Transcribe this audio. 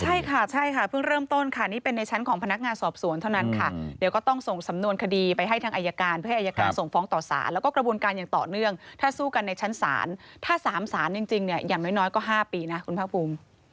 ใช่ค่ะใช่ค่ะเพิ่งเริ่มต้นค่ะนี่เป็นในชั้นของพนักงานสอบสวนเท่านั้นค่ะเดี๋ยวก็ต้องส่งสำนวนคดีไปให้ทางอายการเพื่อให้อายการส่งฟ้องต่อสารแล้วก็กระบวนการอย่างต่อเนื่องถ้าสู้กันในชั้นศาลถ้า๓ศาลจริงเนี่ยอย่างน้อยก็๕ปีนะคุณภาคภูมิ